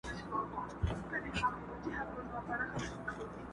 يو په يو به حقيقت بيانومه؛